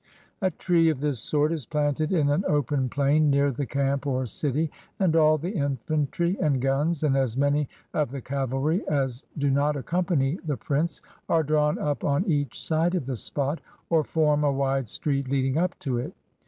A tree of this sort is planted in an open plain near the camp or city; and all the infantry and guns, and as many of the cavalry as do not accompany the prince, are drawn up on each side of the spot, or form a wide street leading up to it.